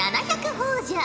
ほぉじゃ。